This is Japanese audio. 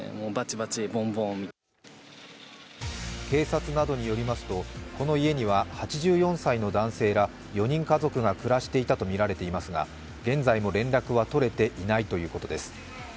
警察などによりますと、この家には８４歳の男性ら４人家族が暮らしていたとみられていますが、現在も連絡は取れていないということです。